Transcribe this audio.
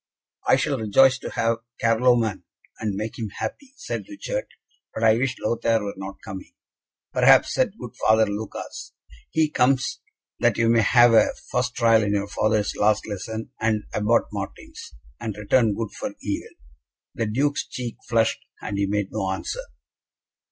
"I shall rejoice to have Carloman, and make him happy," said Richard; "but I wish Lothaire were not coming." "Perhaps," said good Father Lucas, "he comes that you may have a first trial in your father's last lesson, and Abbot Martin's, and return good for evil." The Duke's cheek flushed, and he made no answer.